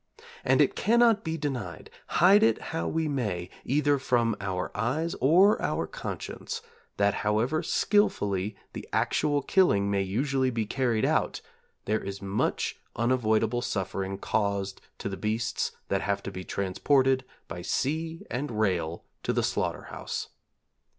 And it cannot be denied, hide it how we may, either from our eyes or our conscience, that however skilfully the actual killing may usually be carried out, there is much unavoidable suffering caused to the beasts that have to be transported by sea and rail to the slaughter house.